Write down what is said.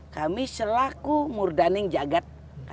kami selaku murdaning jagad